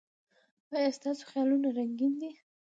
ایا ستاسو خیالونه رنګین دي؟